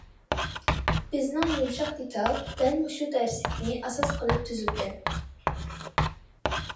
بىزنىڭ يۇمشاق دېتال دەل مۇشۇ دەرسلىكنى ئاساس قىلىپ تۈزۈلگەن.